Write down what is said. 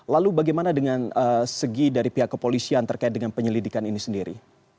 lalu bagaimana dengan segi dari pihak kepolisian terkait dengan penyelidikan ini sendiri